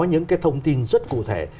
những cái thông tin rất cụ thể